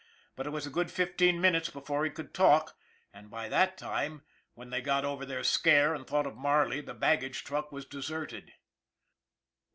But it was a good fifteen min utes before he could talk, and by that time when they got over their scare and thought of Marley the baggage truck was deserted.